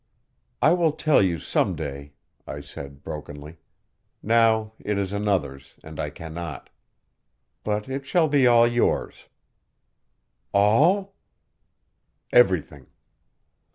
"I will tell you some day," I said brokenly. "Now it is another's, and I can not. But it shall all be yours." "All?" "Everything."